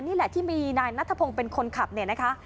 นี่แหละที่มีนายนัทพงศ์เป็นคนขับเนี่ยนะคะ